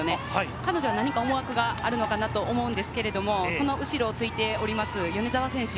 彼女は何か思惑があるのかなと思うんですけれども、その後ろをついております米澤選手。